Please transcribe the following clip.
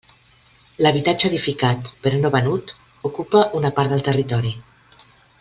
L'habitatge edificat però no venut ocupa una part del territori.